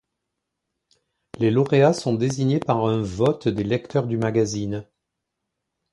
Les lauréats sont désignés par un vote des lecteurs du magazine.